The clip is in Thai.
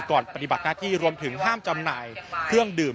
ปฏิบัติหน้าที่รวมถึงห้ามจำหน่ายเครื่องดื่ม